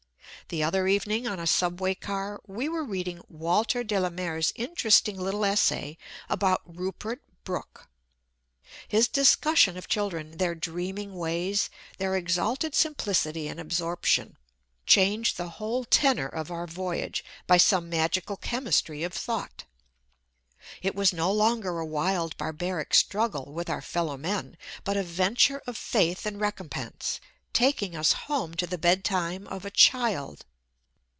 The other evening, on a subway car, we were reading Walter de la Mare's interesting little essay about Rupert Brooke. His discussion of children, their dreaming ways, their exalted simplicity and absorption, changed the whole tenor of our voyage by some magical chemistry of thought. It was no longer a wild, barbaric struggle with our fellowmen, but a venture of faith and recompense, taking us home to the bedtime of a child.